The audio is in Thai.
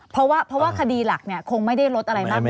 เพราะว่าคดีหลักคงไม่ได้ลดอะไรมากมาย